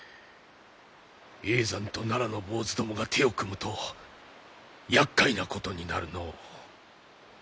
叡山と奈良の坊主どもが手を組むとやっかいなことになるのう。